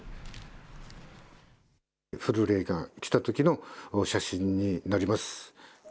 フルレーが来たときの写真になります。